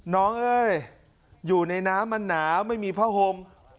เอ้ยอยู่ในน้ำมันหนาวไม่มีผ้าห่ม